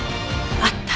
あった。